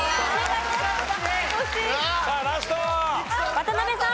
渡辺さん。